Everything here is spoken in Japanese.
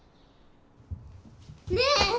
ねえ。